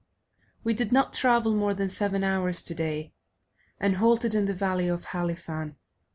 We did not travel more than seven hours today, and halted in the valley of Halifan.